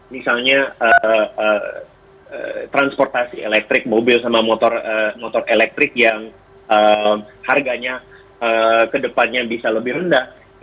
misalnya transportasi elektrik mobil sama motor elektrik yang harganya ke depannya bisa lebih rendah